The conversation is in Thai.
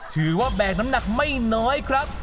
ถือว่าแบ่งน้ำหนักไม่น้อยครับ